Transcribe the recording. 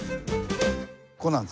こうなんです。